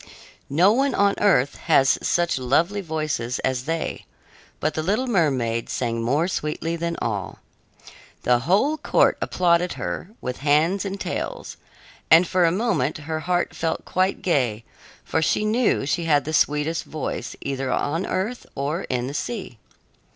No one on earth has such lovely voices as they, but the little mermaid sang more sweetly than all. The whole court applauded her with hands and tails, and for a moment her heart felt quite gay, for she knew she had the sweetest voice either on earth or in the sea.